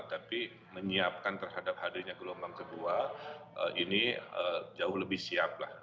tapi menyiapkan terhadap hadirnya gelombang kedua ini jauh lebih siap lah